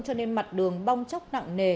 cho nên mặt đường bong chóc nặng nề